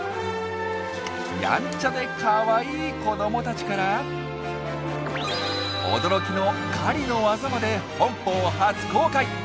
やんちゃでかわいい子どもたちから驚きの狩りの技まで本邦初公開！